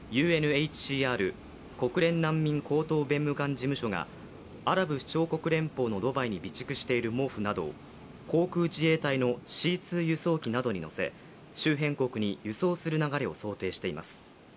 ＵＮＨＣＲ＝国連難民高等弁務官事務所がアラブ首長国連邦のドバイに備蓄している毛布などを航空自衛隊のＣ−２輸送機などに載せ周辺国に輸送する流れを想定しています。